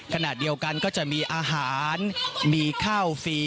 ขณะเดียวกันก็จะมีอาหารมีข้าวฟรี